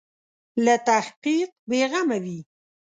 له تحقیق بې غمه وي.